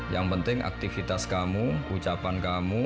yang penting aktivitas kamu ucapan kamu